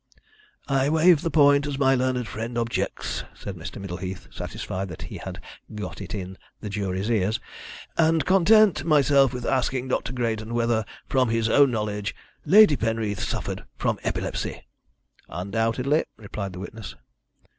"I will waive the point as my learned friend objects," said Mr. Middleheath, satisfied that he had "got it in" the jury's ears, "and content myself with asking Dr. Greydon whether, from his own knowledge, Lady Penreath suffered from epilepsy." "Undoubtedly," replied the witness.